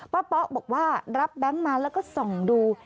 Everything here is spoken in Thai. ป๊อกบอกว่ารับแบงค์มาแล้วก็ส่องดู